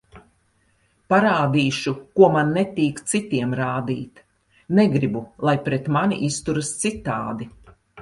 Parādīšu, ko man netīk citiem rādīt, negribu, lai pret mani izturas citādi.